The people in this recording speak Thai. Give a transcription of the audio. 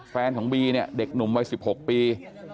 แฟนของบีเนี่ยเด็กหนุ่มวัย๑๖ปี